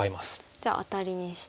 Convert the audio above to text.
じゃあアタリにして。